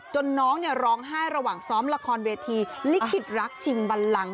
น้องร้องไห้ระหว่างซ้อมละครเวทีลิขิตรักชิงบันลัง